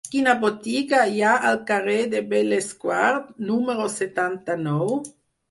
Quina botiga hi ha al carrer de Bellesguard número setanta-nou?